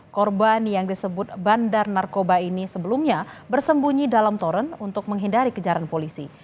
korban yang disebut bandar narkoba ini sebelumnya bersembunyi dalam toren untuk menghindari kejaran polisi